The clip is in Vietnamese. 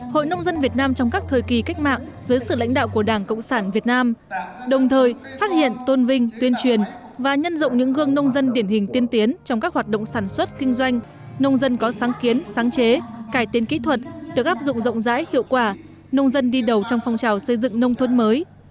hội nông dân việt nam trong các thời kỳ cách mạng dưới sự lãnh đạo của đảng cộng sản việt nam đồng thời phát hiện tôn vinh tuyên truyền và nhân rộng những gương nông dân điển hình tiên tiến trong các hoạt động sản xuất kinh doanh nông dân có sáng kiến sáng chế cải tiến kỹ thuật được áp dụng rộng rãi hiệu quả nông dân đi đầu trong phong trào xây dựng nông thôn mới